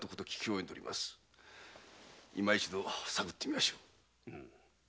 いま一度探ってみましょう。